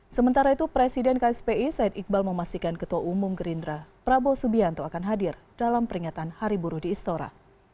sementara itu presiden kspi said iqbal memastikan ketua umum gerindra prabowo subianto akan hadir dalam peringatan hari buruh di istora